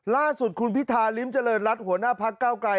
ล่าสุดคุณพิธาริมเจริญรัฐหัวหน้าพักเก้าไกร